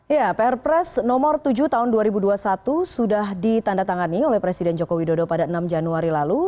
ya pr press nomor tujuh tahun dua ribu dua puluh satu sudah ditandatangani oleh presiden joko widodo pada enam januari lalu